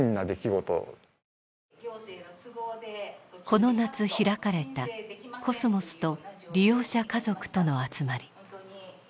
この夏開かれたコスモスと利用者家族との集まり。